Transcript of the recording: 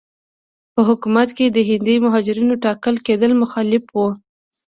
په حکومت کې د هندي مهاجرینو ټاکل کېدل مخالف وو.